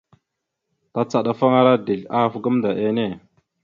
Tacaɗafaŋara dezl ahaf gamənda enne.